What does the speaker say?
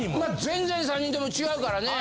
全然３人とも違うからね。